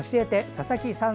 佐々木さん